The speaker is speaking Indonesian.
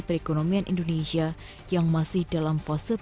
perekonomian indonesia yang masih dalam fase